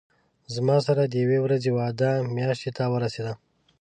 زما سره د یوې ورځې وعده میاشتې ته ورسېده.